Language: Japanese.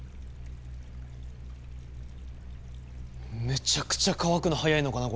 めちゃくちゃ乾くの早いのかな？